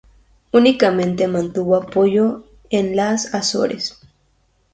Únicamente mantuvo apoyo en las Azores.